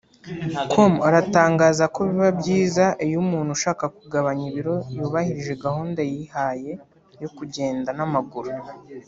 com aratangaza ko biba byiza iyo umuntu ushaka kugabanya ibiro yubahirije gahunda yihaye yo kugenda n’amaguru